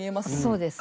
そうです。